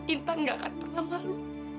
intan gak akan pernah malu